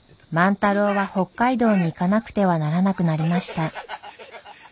太郎は北海道に行かなくてはならなくなりました。